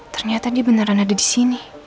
ternyata dia beneran ada di sini